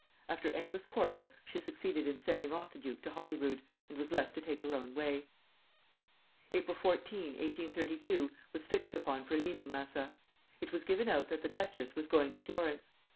After endless quarrels she succeeded in sending off the duke to Holyrood, and was left to take her own way. April 14, 1832, was fixed upon for leaving Massa. It was given out that the duchess, was going to Florence.